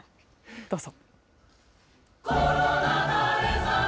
どうぞ。